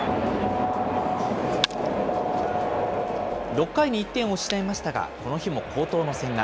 ６回に１点を失いましたが、この日も好投の千賀。